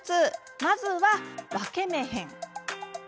まずは、分け目編。